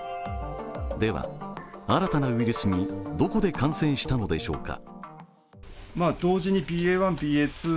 では、新たなウイルスにどこで感染したのでしょうか？